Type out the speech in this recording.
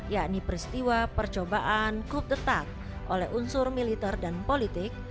yakni peristiwa percobaan klub detak oleh unsur militer dan politik